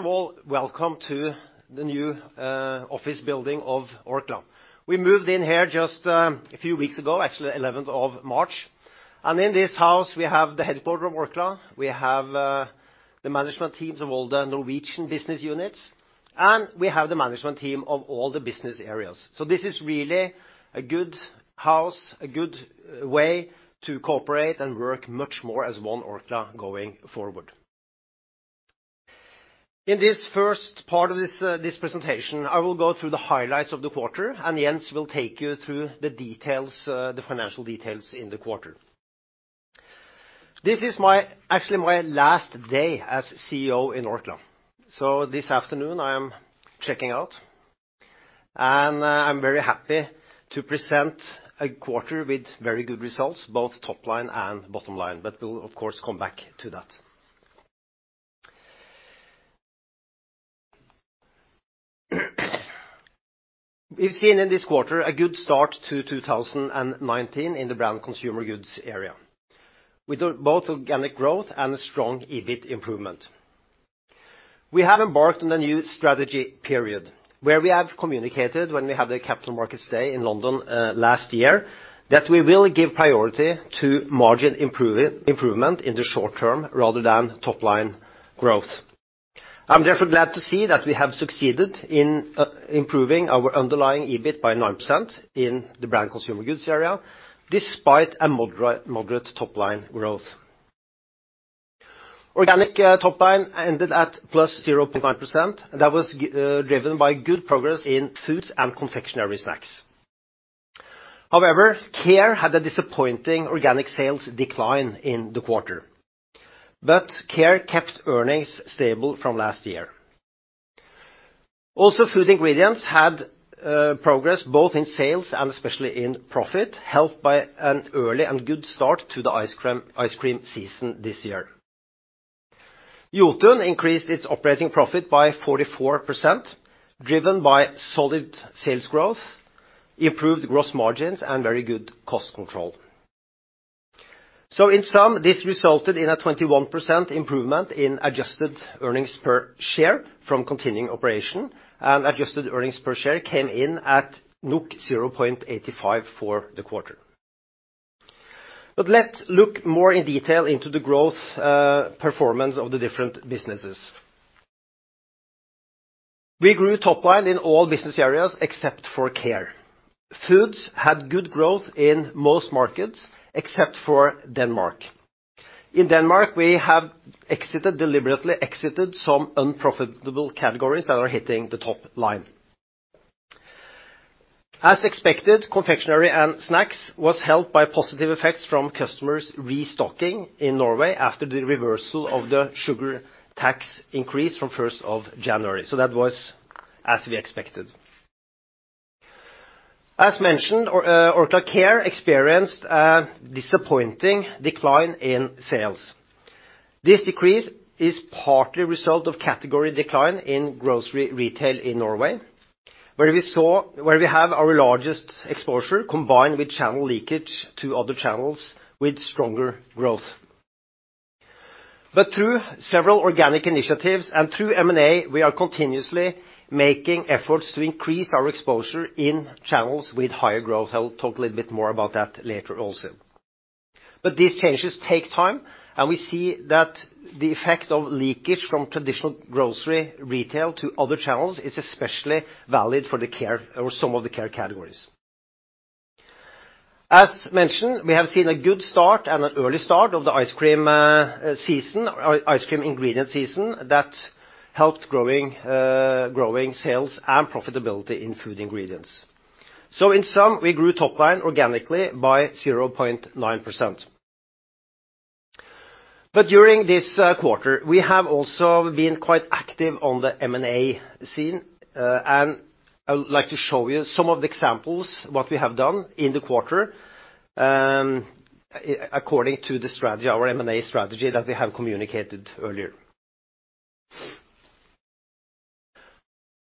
First of all, welcome to the new office building of Orkla. We moved in here just a few weeks ago, actually, 11th of March. In this house we have the headquarter of Orkla. We have the management teams of all the Norwegian business units, we have the management team of all the business areas. This is really a good house, a good way to cooperate and work much more as one Orkla going forward. In this first part of this presentation, I will go through the highlights of the quarter, Jens will take you through the financial details in the quarter. This is actually my last day as CEO in Orkla. This afternoon I am checking out I am very happy to present a quarter with very good results, both top line and bottom line, we'll of course, come back to that. We've seen in this quarter a good start to 2019 in the Branded Consumer Goods area with both organic growth and strong EBIT improvement. We have embarked on a new strategy period where we have communicated when we have the capital markets day in London last year, that we will give priority to margin improvement in the short term rather than top line growth. I am therefore glad to see that we have succeeded in improving our underlying EBIT by 9% in the Branded Consumer Goods area despite a moderate top line growth. Organic top line ended at plus 0.9%, that was driven by good progress in Orkla Foods and confectionery snacks. Orkla Care had a disappointing organic sales decline in the quarter. Orkla Care kept earnings stable from last year. Food ingredients had progress both in sales and especially in profit, helped by an early and good start to the ice cream season this year. Jotun increased its operating profit by 44%, driven by solid sales growth, improved gross margins and very good cost control. In sum, this resulted in a 21% improvement in adjusted earnings per share from continuing operation adjusted earnings per share came in at 0.85 for the quarter. Let's look more in detail into the growth performance of the different businesses. We grew top line in all business areas except for Orkla Care. Orkla Foods had good growth in most markets except for Denmark. In Denmark, we have deliberately exited some unprofitable categories that are hitting the top line. As expected, confectionery and snacks was helped by positive effects from customers restocking in Norway after the reversal of the sugar tax increase from 1st of January. That was as we expected. As mentioned, Orkla Care experienced a disappointing decline in sales. This decrease is partly a result of category decline in grocery retail in Norway, where we have our largest exposure combined with channel leakage to other channels with stronger growth. Through several organic initiatives and through M&A, we are continuously making efforts to increase our exposure in channels with higher growth. I'll talk a little bit more about that later also. These changes take time, we see that the effect of leakage from traditional grocery retail to other channels is especially valid for some of the care categories. As mentioned, we have seen a good start and an early start of the ice cream ingredient season that helped growing sales and profitability in Food Ingredients. In sum, we grew top line organically by 0.9%. During this quarter, we have also been quite active on the M&A scene. I would like to show you some of the examples, what we have done in the quarter, according to our M&A strategy that we have communicated earlier.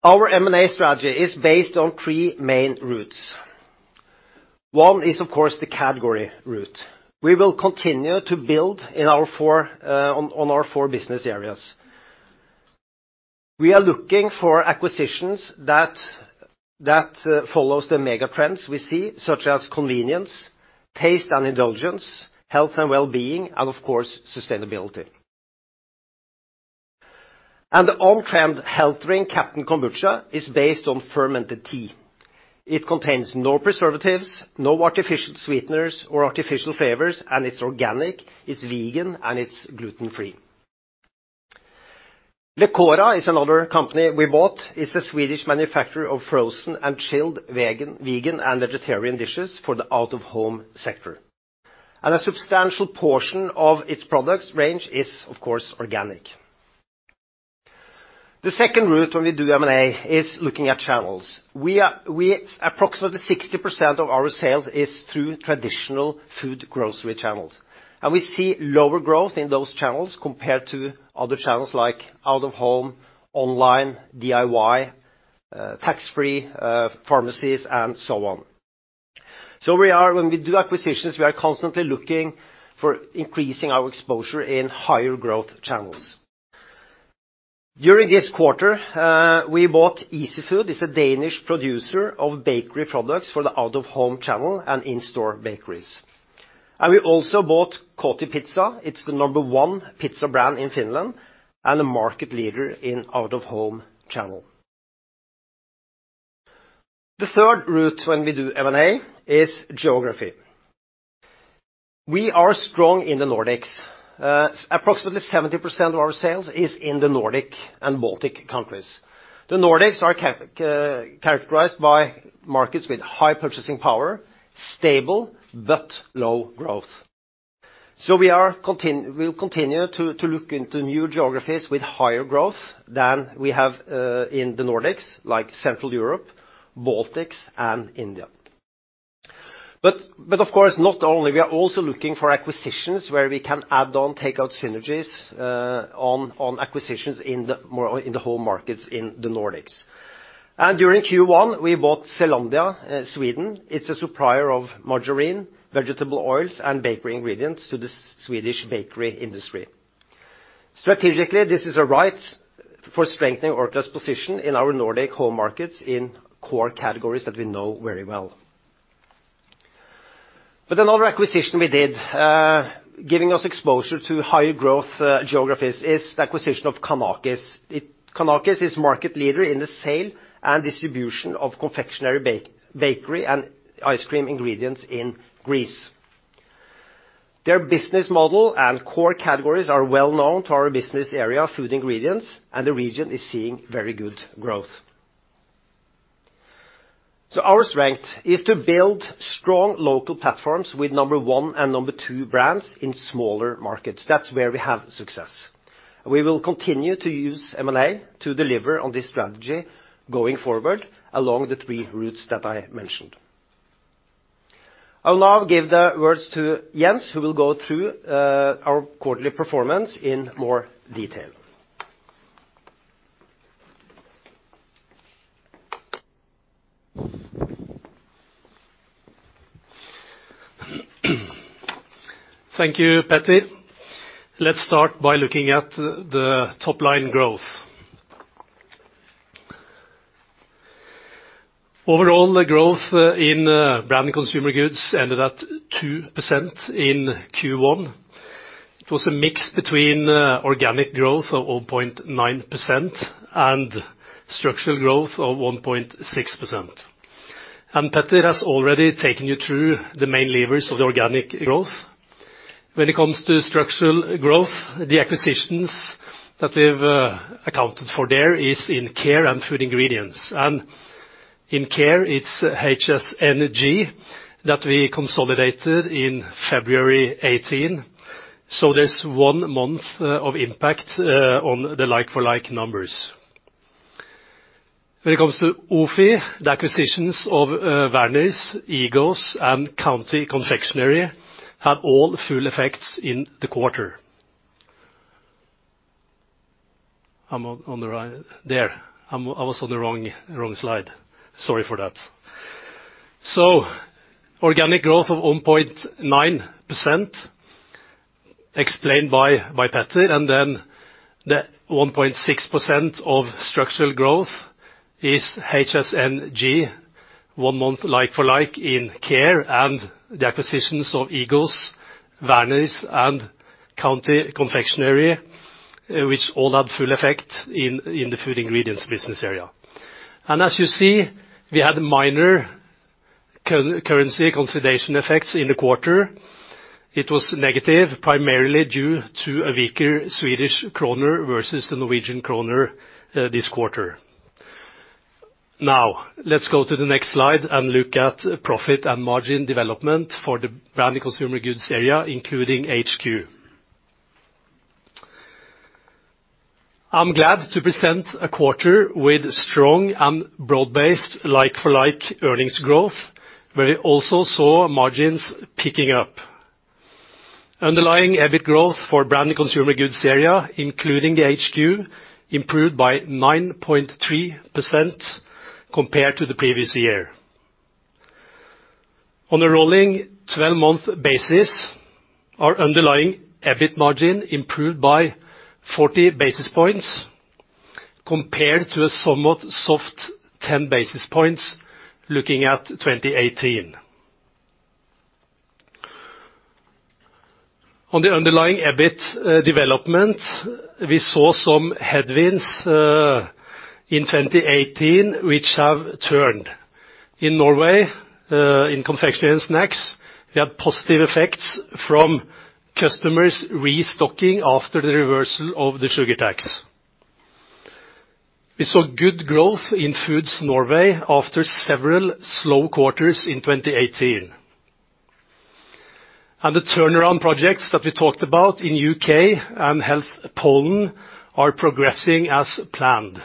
Our M&A strategy is based on three main routes. One is, of course, the category route. We will continue to build on our four business areas. We are looking for acquisitions that follows the mega trends we see, such as convenience, taste and indulgence, health and wellbeing, and of course sustainability. The on-trend health drink, Captain Kombucha, is based on fermented tea. It contains no preservatives, no artificial sweeteners or artificial flavors, and it's organic, it's vegan, and it's gluten-free. Lecora is another company we bought, it's a Swedish manufacturer of frozen and chilled vegan and vegetarian dishes for the out-of-home sector. A substantial portion of its products range is, of course, organic. The second route when we do M&A is looking at channels. Approximately 60% of our sales is through traditional food grocery channels, and we see lower growth in those channels compared to other channels like out-of-home, online, DIY, tax-free, pharmacies and so on. When we do acquisitions, we are constantly looking for increasing our exposure in higher growth channels. During this quarter, we bought Easyfood, a Danish producer of bakery products for the out-of-home channel and in-store bakeries. We also bought Kotipizza. It's the number one pizza brand in Finland and a market leader in out-of-home channel. The third route when we do M&A is geography. Approximately 70% of our sales is in the Nordic and Baltic countries. The Nordics are characterized by markets with high purchasing power, stable but low growth. We'll continue to look into new geographies with higher growth than we have in the Nordics, like Central Europe, Baltics, and India. Of course, not only, we are also looking for acquisitions where we can add on, take out synergies on acquisitions in the home markets in the Nordics. During Q1, we bought Zeelandia Sweden. It's a supplier of margarine, vegetable oils, and bakery ingredients to the Swedish bakery industry. Strategically, this is a right for strengthening Orkla's position in our Nordic home markets in core categories that we know very well. Another acquisition we did, giving us exposure to higher growth geographies is the acquisition of Kanakis. Kanakis is market leader in the sale and distribution of confectionery, bakery, and ice cream ingredients in Greece. Their business model and core categories are well-known to our business area, Food Ingredients, and the region is seeing very good growth. Our strength is to build strong local platforms with number one and number two brands in smaller markets. That's where we have success. We will continue to use M&A to deliver on this strategy going forward along the three routes that I mentioned. I'll now give the words to Jens, who will go through our quarterly performance in more detail. Thank you, Peter. Let's start by looking at the top line growth. Overall, the growth in Branded Consumer Goods ended at 2% in Q1. It was a mix between organic growth of 0.9% and structural growth of 1.6%. Peter has already taken you through the main levers of the organic growth. When it comes to structural growth, the acquisitions that we've accounted for there is in Care and Food Ingredients. In Care, it's HSNg that we consolidated in February 2018. So there's one month of impact on the like-for-like numbers. When it comes to Ofi, the acquisitions of Werners, Igos, and County Confectionery had all full effects in the quarter. There. I was on the wrong slide. Sorry for that. Organic growth of 1.9% explained by Peter, the 1.6% of structural growth is HSNg, one month like-for-like in Care and the acquisitions of Igos, Werners, and County Confectionery, which all had full effect in the Food Ingredients business area. As you see, we had minor currency consolidation effects in the quarter. It was negative, primarily due to a weaker SEK versus the NOK this quarter. Let's go to the next slide and look at profit and margin development for the Branded Consumer Goods area, including HQ. I'm glad to present a quarter with strong and broad-based like-for-like earnings growth, where we also saw margins picking up. Underlying EBIT growth for Branded Consumer Goods area, including the HQ, improved by 9.3% compared to the previous year. On a rolling 12-month basis, our underlying EBIT margin improved by 40 basis points compared to a somewhat soft 10 basis points, looking at 2018. On the underlying EBIT development, we saw some headwinds in 2018, which have turned. In Norway, in confectionery and snacks, we had positive effects from customers restocking after the reversal of the sugar tax. We saw good growth in Foods Norway after several slow quarters in 2018. The turnaround projects that we talked about in U.K. and Health Poland are progressing as planned.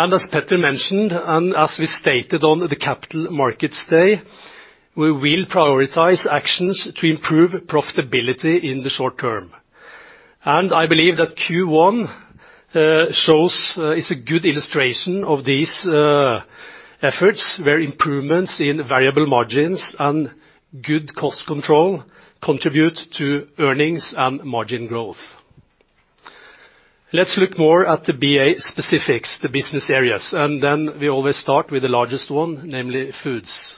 As Peter mentioned, as we stated on the Capital Markets Day, we will prioritize actions to improve profitability in the short term. I believe that Q1 is a good illustration of these efforts, where improvements in variable margins and good cost control contribute to earnings and margin growth. Let's look more at the BA specifics, the business areas, and then we always start with the largest one, namely Foods.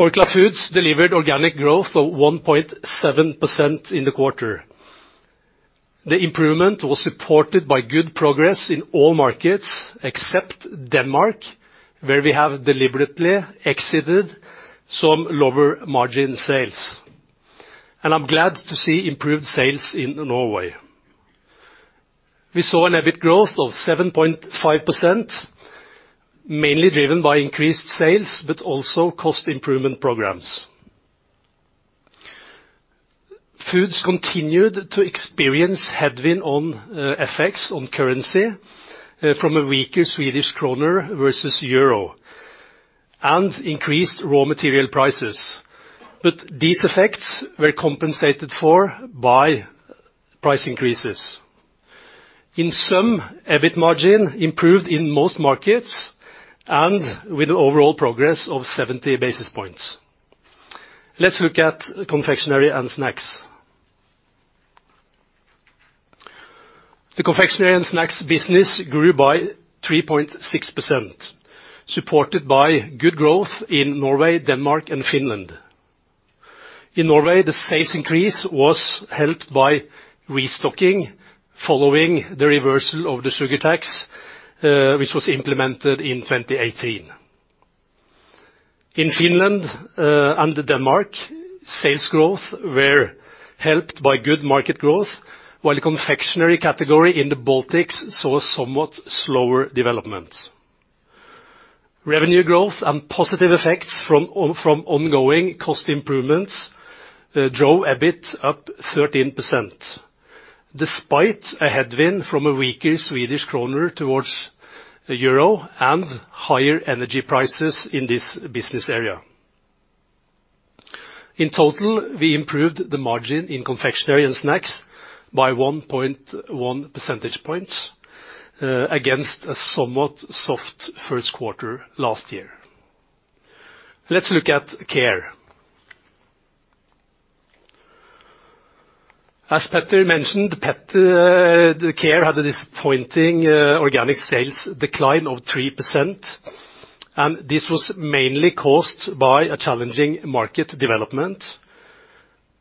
Orkla Foods delivered organic growth of 1.7% in the quarter. The improvement was supported by good progress in all markets except Denmark, where we have deliberately exited some lower margin sales. I'm glad to see improved sales in Norway. We saw an EBIT growth of 7.5%, mainly driven by increased sales, but also cost improvement programs. Foods continued to experience headwind on effects on currency from a weaker SEK versus EUR, and increased raw material prices. These effects were compensated for by price increases. In sum, EBIT margin improved in most markets and with an overall progress of 70 basis points. Let's look at confectionery and snacks. The confectionery and snacks business grew by 3.6%, supported by good growth in Norway, Denmark and Finland. In Norway, the sales increase was helped by restocking following the reversal of the sugar tax, which was implemented in 2018. In Finland and Denmark, sales growth was helped by good market growth, while the confectionery category in the Baltics saw somewhat slower developments. Revenue growth and positive effects from ongoing cost improvements drove EBIT up 13%, despite a headwind from a weaker Swedish kroner towards the EUR and higher energy prices in this business area. In total, we improved the margin in confectionery and snacks by 1.1 percentage points against a somewhat soft first quarter last year. Let's look at Care. As Peter mentioned, pet care had a disappointing organic sales decline of 3%, and this was mainly caused by a challenging market development,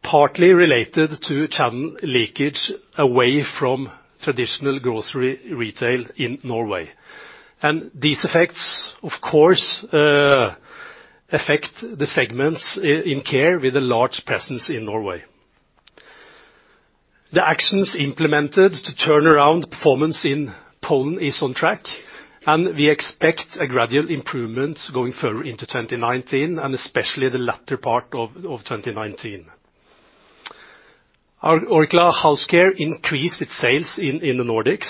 partly related to channel leakage away from traditional grocery retail in Norway. These effects, of course, affect the segments in Care with a large presence in Norway. The actions implemented to turn around performance in Poland are on track, and we expect a gradual improvement going further into 2019 and especially the latter part of 2019. Orkla House Care increased its sales in the Nordics,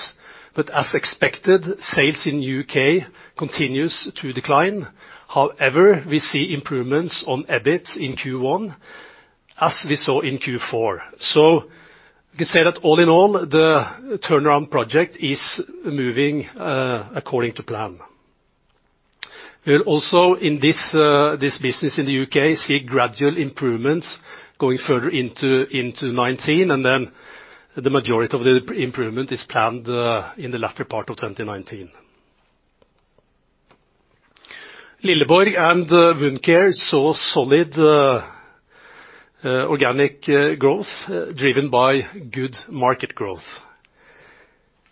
as expected, sales in U.K. continue to decline. However, we see improvements on EBIT in Q1, as we saw in Q4. We can say that all in all, the turnaround project is moving according to plan. We'll also, in this business in the U.K., see gradual improvements going further into 2019, the majority of the improvement is planned in the latter part of 2019. Lilleborg and Mundipharma saw solid organic growth driven by good market growth.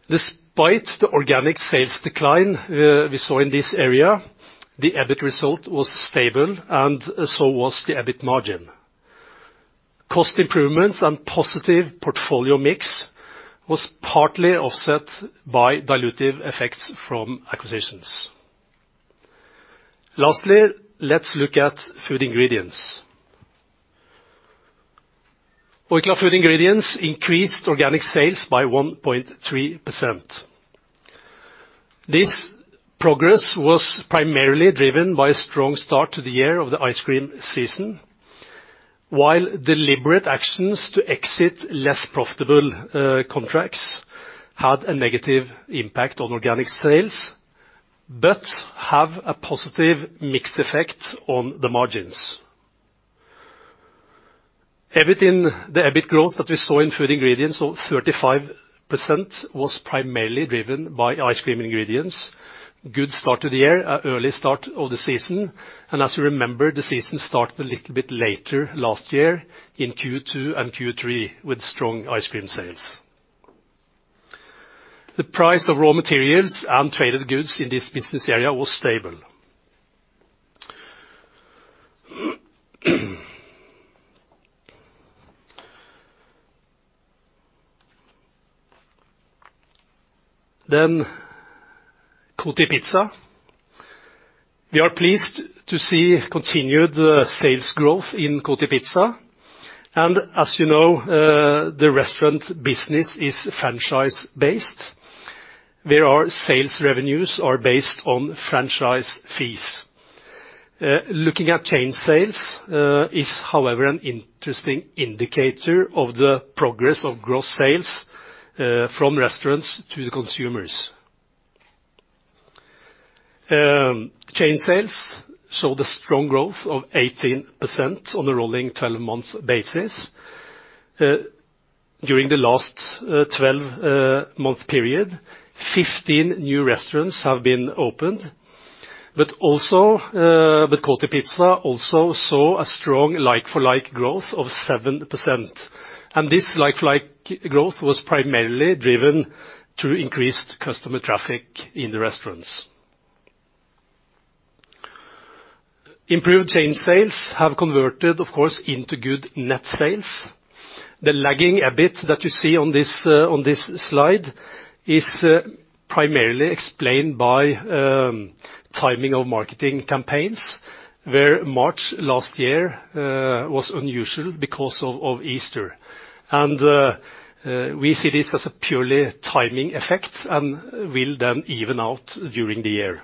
Despite the organic sales decline we saw in this area, the EBIT result was stable and so was the EBIT margin. Cost improvements and positive portfolio mix were partly offset by dilutive effects from acquisitions. Lastly, let's look at Food Ingredients. Orkla Food Ingredients increased organic sales by 1.3%. This progress was primarily driven by a strong start to the year of the ice cream season, while deliberate actions to exit less profitable contracts had a negative impact on organic sales, have a positive mix effect on the margins. The EBIT growth that we saw in Food Ingredients of 35% was primarily driven by ice cream ingredients. Good start to the year, early start of the season. As you remember, the season started a little bit later last year in Q2 and Q3 with strong ice cream sales. The price of raw materials and traded goods in this business area was stable. Kotipizza. We are pleased to see continued sales growth in Kotipizza. As you know, the restaurant business is franchise-based. There our sales revenues are based on franchise fees. Looking at chain sales is, however, an interesting indicator of the progress of gross sales from restaurants to the consumers. Chain sales saw the strong growth of 18% on a rolling 12-month basis. During the last 12-month period, 15 new restaurants have been opened. Kotipizza also saw a strong like-for-like growth of 7%. This like-for-like growth was primarily driven through increased customer traffic in the restaurants. Improved chain sales have converted, of course, into good net sales. The lagging a bit that you see on this slide is primarily explained by timing of marketing campaigns, where March last year was unusual because of Easter. We see this as a purely timing effect and will then even out during the year.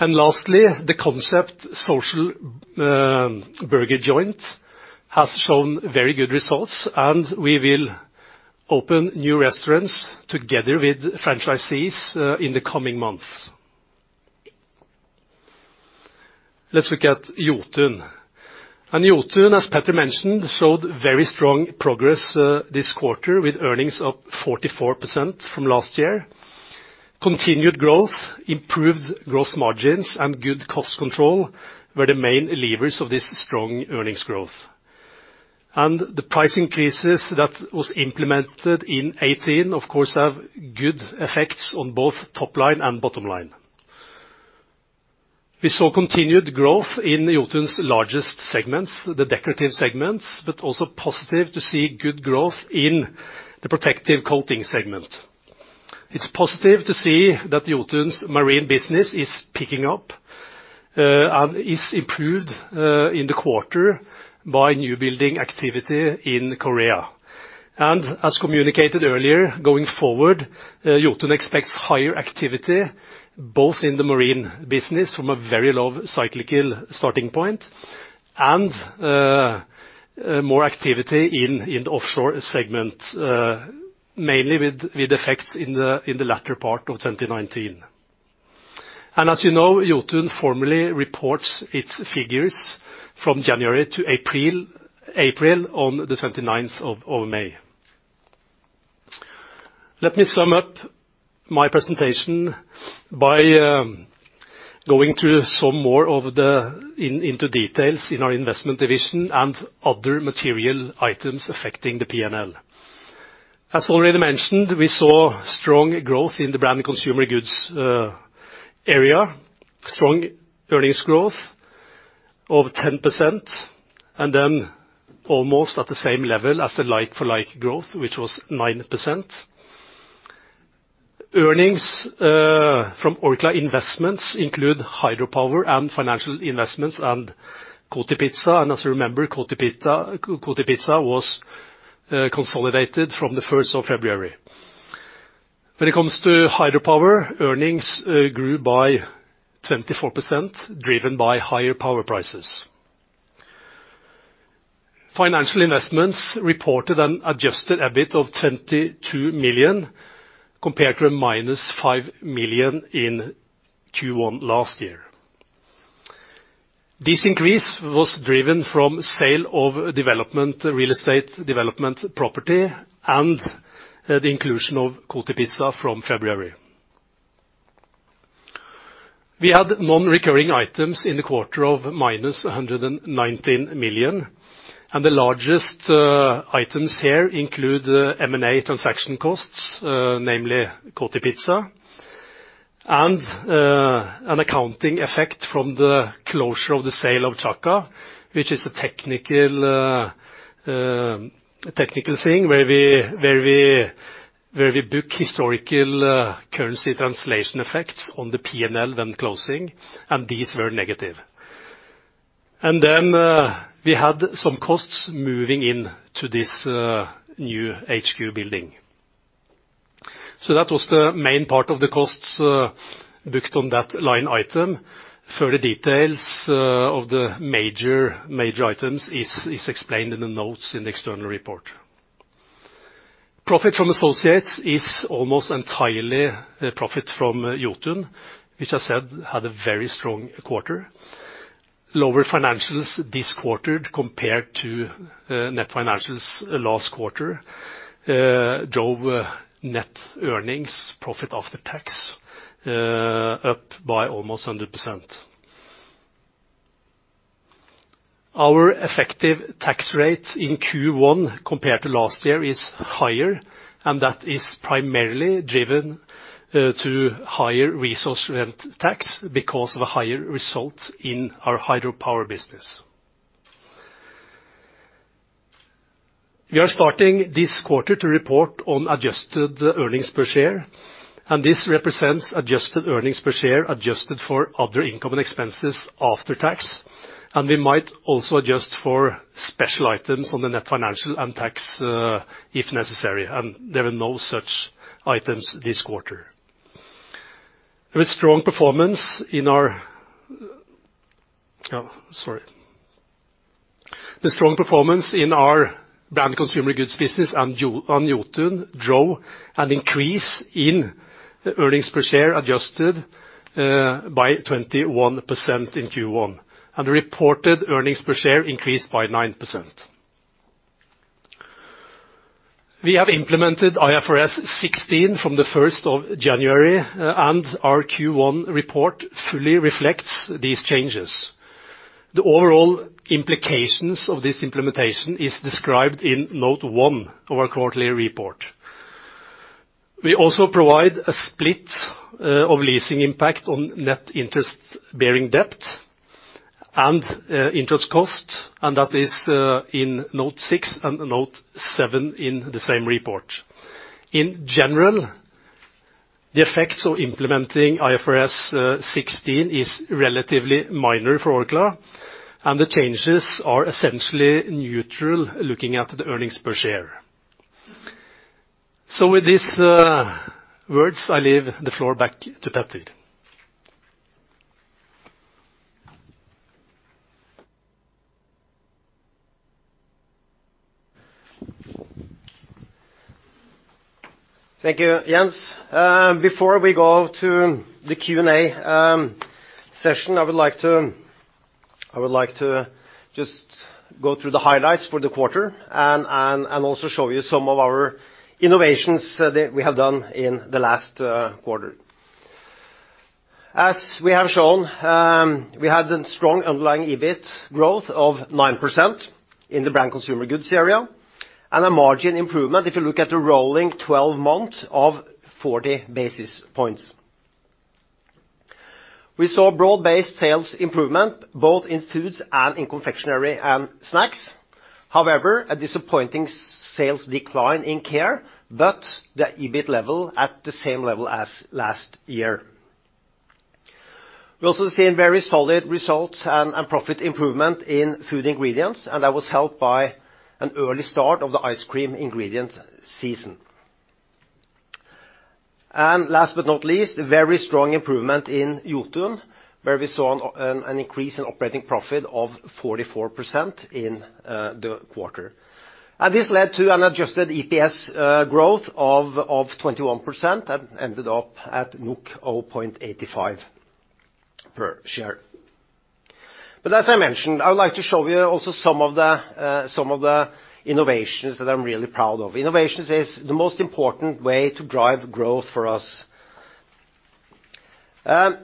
Lastly, the concept Social Burgerjoint has shown very good results, and we will open new restaurants together with franchisees in the coming months. Let's look at Jotun. Jotun, as Peter mentioned, showed very strong progress this quarter with earnings up 44% from last year. Continued growth, improved gross margins, and good cost control were the main levers of this strong earnings growth. The price increases that were implemented in 2018, of course, have good effects on both top line and bottom line. We saw continued growth in Jotun's largest segments, the Decorative segments, but also positive to see good growth in the Protective Coatings segment. It's positive to see that Jotun's Marine business is picking up and is improved in the quarter by new building activity in Korea. As communicated earlier, going forward, Jotun expects higher activity both in the Marine business from a very low cyclical starting point and more activity in the Offshore segment, mainly with effects in the latter part of 2019. As you know, Jotun formally reports its figures from January to April on the 29th of May. Let me sum up my presentation by going into details in our investment division and other material items affecting the P&L. As already mentioned, we saw strong growth in the Branded Consumer Goods area, strong earnings growth of 10%, almost at the same level as the like-for-like growth, which was 9%. Earnings from Orkla Investments include hydropower and financial investments and Kotipizza. As you remember, Kotipizza was consolidated from the 1st of February. When it comes to hydropower, earnings grew by 24%, driven by higher power prices. Financial investments reported an adjusted EBIT of 22 million, compared to a minus 5 million in Q1 last year. This increase was driven from sale of real estate development property and the inclusion of Kotipizza from February. We had non-recurring items in the quarter of minus 119 million. The largest items here include M&A transaction costs, namely Kotipizza. An accounting effect from the closure of the sale of Chaka, which is a technical thing where we book historical currency translation effects on the P&L when closing, and these were negative. We had some costs moving into this new HQ building. That was the main part of the costs booked on that line item. Further details of the major items are explained in the notes in the external report. Profit from associates is almost entirely profit from Jotun, which I said had a very strong quarter. Lower financials this quarter compared to net financials last quarter drove net earnings profit after tax up by almost 100%. Our effective tax rate in Q1 compared to last year is higher. That is primarily driven through higher resource rent tax because of a higher result in our hydropower business. We are starting this quarter to report on adjusted earnings per share. This represents adjusted earnings per share adjusted for other income and expenses after tax. We might also adjust for special items on the net financial and tax, if necessary, and there are no such items this quarter. The strong performance in our Branded Consumer Goods business on Jotun drove an increase in earnings per share adjusted by 21% in Q1. Reported earnings per share increased by 9%. We have implemented IFRS 16 from the 1st of January. Our Q1 report fully reflects these changes. The overall implications of this implementation is described in note one of our quarterly report. We also provide a split of leasing impact on net interest-bearing debt and interest costs, that is in note six and note seven in the same report. In general, the effects of implementing IFRS 16 is relatively minor for Orkla, and the changes are essentially neutral looking at the earnings per share. With these words, I leave the floor back to Peter. Thank you, Jens. Before we go to the Q&A session, I would like to just go through the highlights for the quarter and also show you some of our innovations that we have done in the last quarter. As we have shown, we had a strong underlying EBIT growth of 9% in the Branded Consumer Goods area, and a margin improvement, if you look at the rolling 12 months, of 40 basis points. We saw broad-based sales improvement both in foods and in confectionery and snacks. However, a disappointing sales decline in Care, but the EBIT level at the same level as last year. We also see very solid results and profit improvement in Food Ingredients, that was helped by an early start of the ice cream ingredient season. Last but not least, a very strong improvement in Jotun, where we saw an increase in operating profit of 44% in the quarter. This led to an adjusted EPS growth of 21% and ended up at 0.85 per share. As I mentioned, I would like to show you also some of the innovations that I'm really proud of. Innovations is the most important way to drive growth for us. I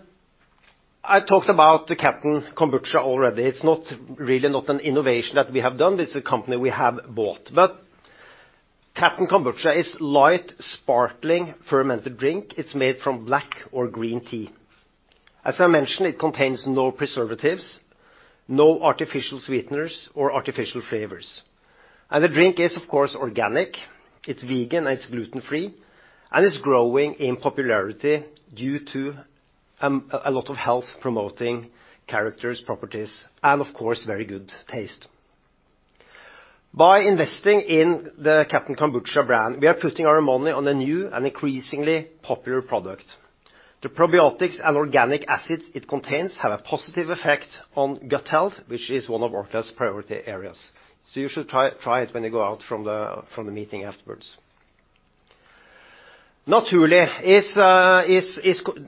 talked about the Captain Kombucha already. It's really not an innovation that we have done. It's a company we have bought. Captain Kombucha is light, sparkling, fermented drink. It's made from black or green tea. As I mentioned, it contains no preservatives, no artificial sweeteners or artificial flavors. The drink is, of course, organic, it's vegan and it's gluten free, and it's growing in popularity due to a lot of health-promoting characters, properties and, of course, very good taste. By investing in the Captain Kombucha brand, we are putting our money on a new and increasingly popular product. The probiotics and organic acids it contains have a positive effect on gut health, which is one of Orkla's priority areas. You should try it when you go out from the meeting afterwards. Naturli'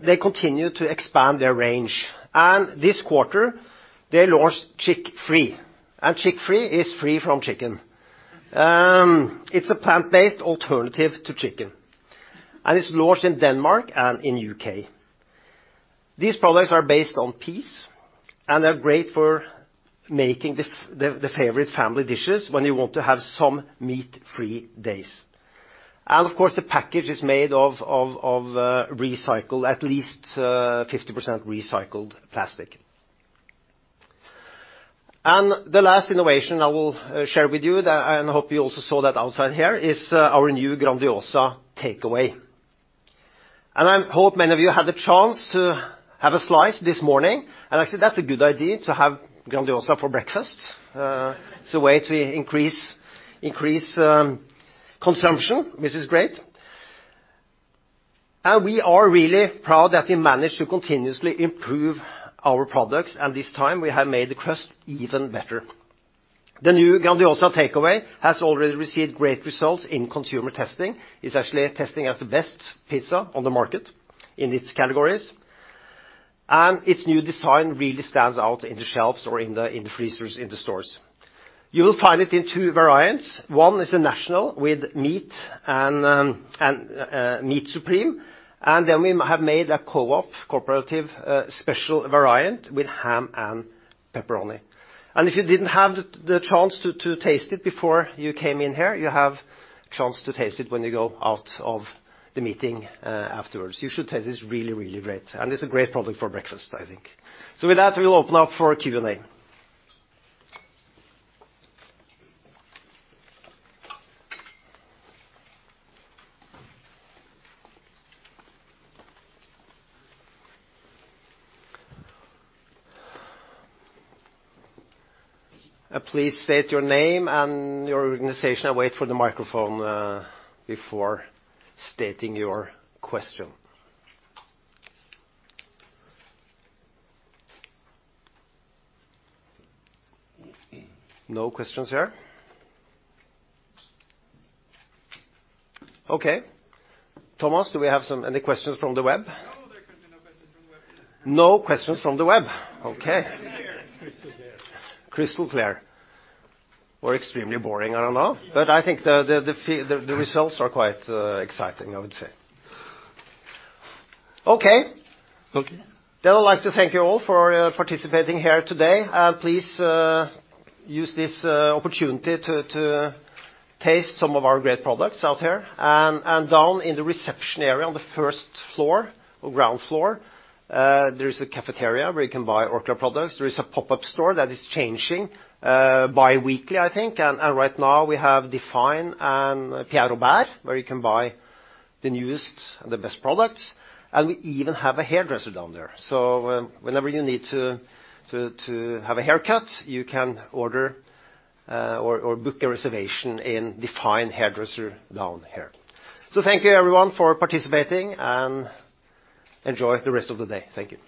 They continue to expand their range. This quarter they launched Chick Free. Chick Free is free from chicken. It's a plant-based alternative to chicken, and it's launched in Denmark and in U.K. These products are based on peas. They're great for making the favorite family dishes when you want to have some meat-free days. Of course, the package is made of at least 50% recycled plastic. The last innovation I will share with you, and I hope you also saw that outside here, is our new Grandiosa takeaway. I hope many of you had the chance to have a slice this morning. Actually, that's a good idea to have Grandiosa for breakfast. It's a way to increase consumption, which is great. We are really proud that we managed to continuously improve our products, and this time we have made the crust even better. The new Grandiosa takeaway has already received great results in consumer testing, is actually testing as the best pizza on the market in its categories. Its new design really stands out in the shelves or in the freezers in the stores. You will find it in two variants. One is a national with meat supreme, and then we have made a [co-op cooperative], special variant with ham and pepperoni. If you didn't have the chance to taste it before you came in here, you have chance to taste it when you go out of the meeting afterwards. You should taste it. It's really, really great, and it's a great product for breakfast, I think. With that, we will open up for Q&A. Please state your name and your organization and wait for the microphone, before stating your question. No questions here? Okay. Thomas, do we have any questions from the web? No, there could be no question from the web. No questions from the web. Okay. Crystal clear. Crystal clear. Extremely boring, I don't know. I think the results are quite exciting, I would say. Okay. Okay. I'd like to thank you all for participating here today. Please use this opportunity to taste some of our great products out here. Down in the reception area on the first floor or ground floor, there is a cafeteria where you can buy Orkla products. There is a pop-up store that is changing biweekly, I think. Right now, we have Define and Pierre Robert, where you can buy the newest and the best products. We even have a hairdresser down there. Whenever you need to have a haircut, you can order or book a reservation in Define Hairdresser down here. Thank you, everyone, for participating, and enjoy the rest of the day. Thank you.